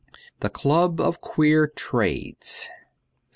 ' The Club of Queer Trades.'